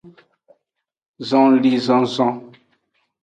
Zonlinzonzon.